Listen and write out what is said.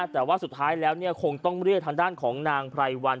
แต่ว่าสุดท้ายแล้วคงต้องเรียกทางด้านของนางไพรวัน